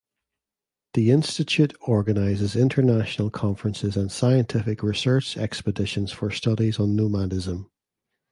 The institute organizes international conferences and scientific research expeditions for studies on nomadism.